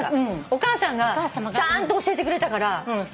お母さんがちゃんと教えてくれたから。